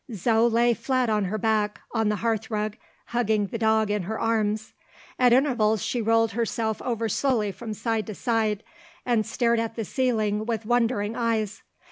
Zo lay flat on her back, on the hearth rug, hugging the dog in her arms. At intervals, she rolled herself over slowly from side to side, and stared at the ceiling with wondering eyes.